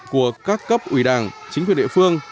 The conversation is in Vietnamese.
của các cấp ủy đảng chính quyền địa phương